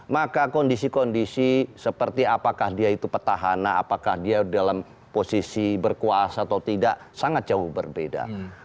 maka kondisi kondisi seperti apakah dia itu petahana apakah dia dalam posisi berkuasa atau tidak sangat jauh berbeda